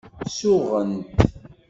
Suɣent.